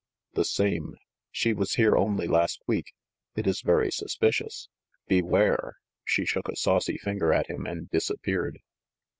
"The same. She was here only last week. It is very suspicious ! Beware !" She shook a saucy finger at him and disappeared.